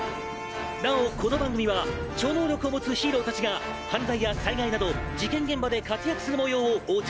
なおこの番組は超能力を持つヒーローたちが犯罪や災害など事件現場で活躍するもようをお茶の間にお届け！